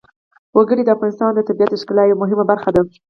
وګړي د افغانستان د طبیعت د ښکلا یوه مهمه برخه ده.